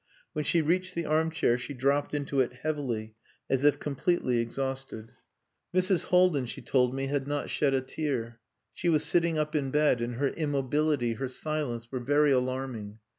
When she reached the armchair she dropped into it heavily as if completely exhausted. Mrs. Haldin, she told me, had not shed a tear. She was sitting up in bed, and her immobility, her silence, were very alarming.